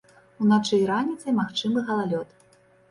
Уначы і раніцай магчымы галалёд.